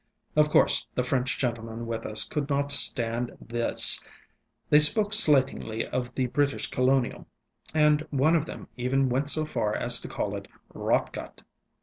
Of course, the French gentlemen with us could not stand this; they spoke slightingly of the British colonial, and one of them even went so far as to call it rotgut.